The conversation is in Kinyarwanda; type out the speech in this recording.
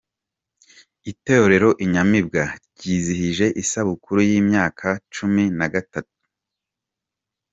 Itorero “Inyamibwa” ryizihije isabukuru y’imyaka cumi na gatanu